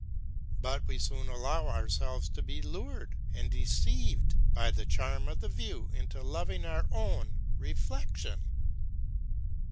But we soon allow ourselves to be lured and deceived by the charm of the view into loving our own reflection.